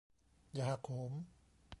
อย่าหักโหม